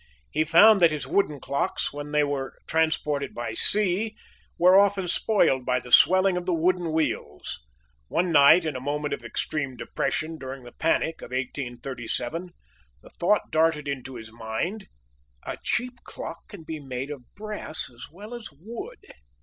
He found that his wooden clocks, when they were transported by sea, were often spoiled by the swelling of the wooden wheels. One night, in a moment of extreme depression during the panic of 1837, the thought darted into his mind, "A cheap clock can be made of brass as well as wood!"